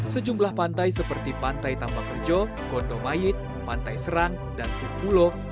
sejumlah pantai seperti pantai tambak rejo gondomayit pantai serang dan turpulo